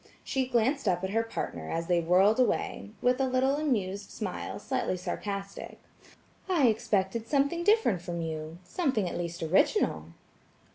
She glanced up at her partner, as they whirled away, with a little amused smile slightly sarcastic; "I expected something different from you. Something at least original."